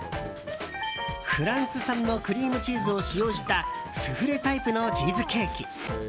フランス産のクリームチーズを使用したスフレタイプのチーズケーキ。